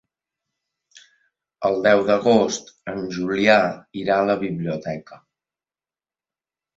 El deu d'agost en Julià irà a la biblioteca.